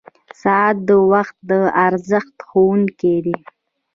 • ساعت د وخت د ارزښت ښوونکی دی.